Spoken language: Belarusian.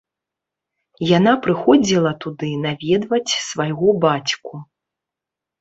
Яна прыходзіла туды наведваць свайго бацьку.